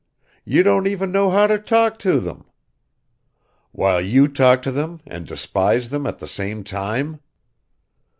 You don't even know how to talk to them." "While you talk to them and despise them at the same time."